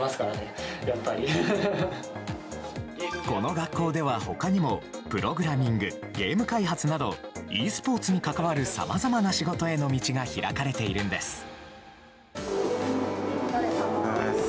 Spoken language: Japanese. この学校では他にもプログラミングゲーム開発などｅスポーツに関わるさまざまな仕事への道が開かれているんです。